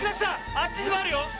あっちにもあるよ！